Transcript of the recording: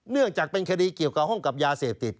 เนื่องจากเป็นคดีเกี่ยวกับห้องกับยาเสพติด